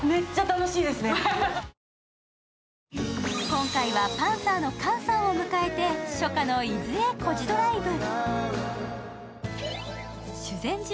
今回はパンサーの菅さんを迎えて初夏の伊豆へコジドライブ。